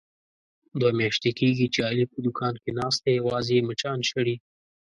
دوه میاشتې کېږي، چې علي په دوکان کې ناست دی یوازې مچان شړي.